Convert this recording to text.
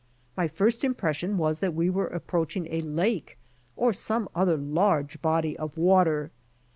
My first impression was that we were approaching a lake or some other large body of water.